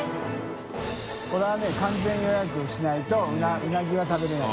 海譴呂完全予約しないとうなぎは食べれない。